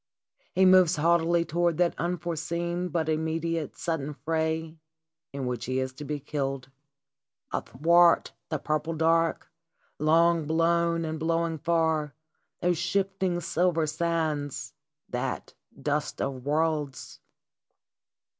He moves haughtily to ward that unforeseen but immediate, sudden fray in which he is to be killed. Athwart the purple dark, long blown and blowing far, those shifting silver sands, that dust of worlds